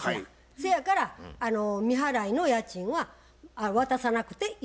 そやから未払いの家賃は渡さなくていいと思います。